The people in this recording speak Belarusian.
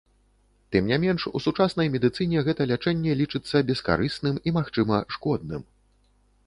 Тым не менш, у сучаснай медыцыне гэта лячэнне лічыцца бескарысным і, магчыма, шкодным.